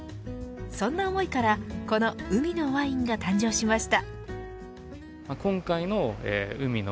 そんな思いからこの海のワインが誕生しました。